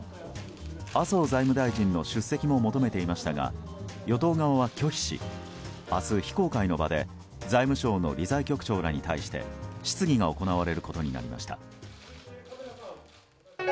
麻生財務大臣の出席も求めていましたが与党側は拒否し明日、非公開の場で財務省の理財局長らに対して質疑が行われることになりました。